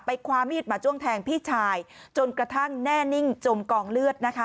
คว้ามีดมาจ้วงแทงพี่ชายจนกระทั่งแน่นิ่งจมกองเลือดนะคะ